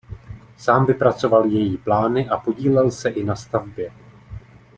Sám vypracoval její plány a podílel se i na stavbě.